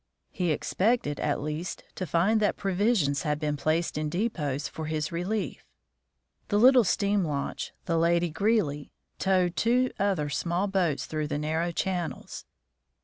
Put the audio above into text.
He expected, at least, to find that provisions had been placed in depots, for his relief. The little steam launch, the Lady Greely, towed two other small boats through the narrow channels.